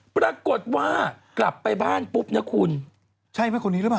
ปรากฏว่ากลับไปบ้านปุ๊บนะคุณใช่ไหมคนนี้หรือเปล่า